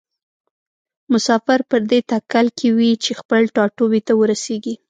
مسافر پر دې تکل کې وي چې خپل ټاټوبي ته ورسیږي.